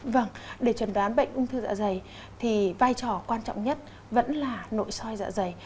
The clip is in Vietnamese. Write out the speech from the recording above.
vâng để chuẩn đoán bệnh ung thư dạ dày thì vai trò quan trọng nhất vẫn là nội soi dạ dày